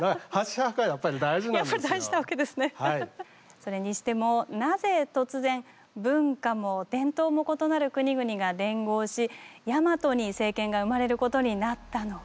それにしてもなぜ突然文化も伝統も異なる国々が連合しヤマトに政権が生まれることになったのか。